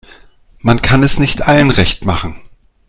Man kann es nicht allen recht machen.